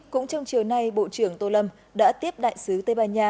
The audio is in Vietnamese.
cũng trong chiều nay bộ trưởng tô lâm đã tiếp đại sứ tây ban nha